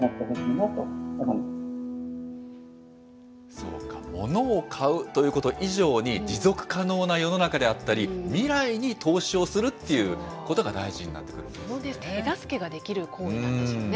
そうか、物を買うということ以上に、持続可能な世の中であったり、未来に投資をするっていうことが大事になってくるということですそうですね、手助けができる行為なんでしょうね。